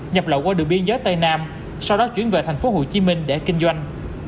nhập lộ qua đường biên giới tây nam sau đó chuyển về thành phố hồ chí minh để kinh doanh